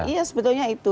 iya sebetulnya itu